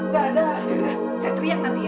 saya akan teriak nanti